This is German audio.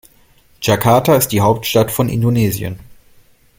Jakarta ist die Hauptstadt von Indonesien.